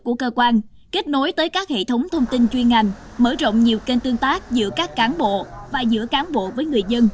của cơ quan kết nối tới các hệ thống thông tin chuyên ngành mở rộng nhiều kênh tương tác giữa các cán bộ và giữa cán bộ với người dân